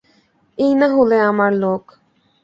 এই না হলে আমার লোক।